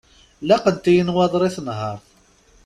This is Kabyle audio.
Laqent-iyi nnwaḍer i tenhert.